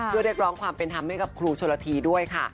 เพื่อเรียกร้องความเป็นธรรมให้กับครูชนละทีด้วยค่ะ